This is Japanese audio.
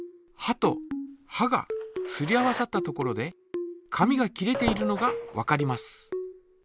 はとはがすり合わさったところで紙が切れているのがわかります。